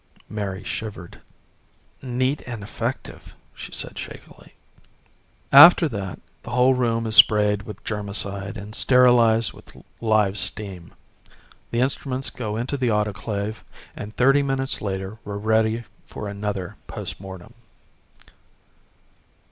Mary shivered. "Neat and effective," she said shakily. "After that the whole room is sprayed with germicide and sterilized with live steam. The instruments go into the autoclave, and thirty minutes later we're ready for another post mortem."